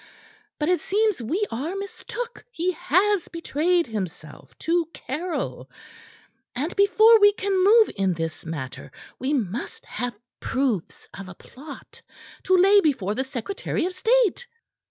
But it seems we are mistook. He has betrayed himself to Caryll. And before we can move in this matter, we must have proofs of a plot to lay before the secretary of state."